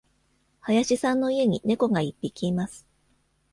林さんの家に猫が一匹います。